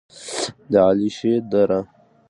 د علیشې دره: